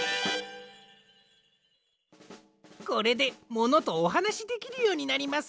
これでモノとおはなしできるようになります。